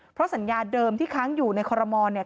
เพราะสัญญาเดิมที่ค้างอยู่ในคอรมอลเนี่ย